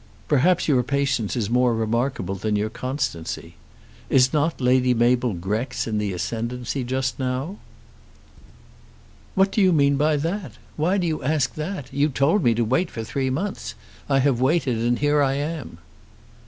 "Perhaps your patience is more remarkable than your constancy. Is not Lady Mabel Grex in the ascendant just now?" "What do you mean by that? Why do you ask that? You told me to wait for three months. I have waited, and here I am."